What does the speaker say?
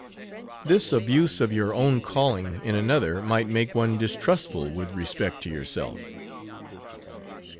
"This abuse of your own calling in another might make one distrustful with respect to yourself."